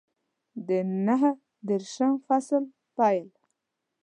د نهه دېرشم فصل پیل